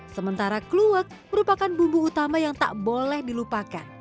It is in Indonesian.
sementara kluwak merupakan bumbu utama yang tak boleh dilupakan